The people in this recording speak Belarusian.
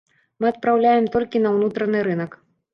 Мы адпраўляем толькі на ўнутраны рынак.